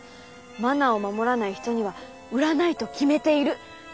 「マナー」を守らない人には売らないと決めているですって。